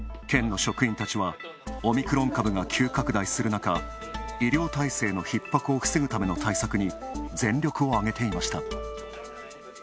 県の職員たちはオミクロン株が急拡大する中医療体制のひっ迫を防ぐための対策に全力を挙げていました。